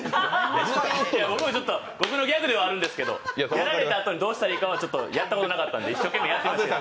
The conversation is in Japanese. いや、僕のギャグではあるんですけど、やられたあとでどうしたらいいのかやったことなかったんで一生懸命やったんですけど。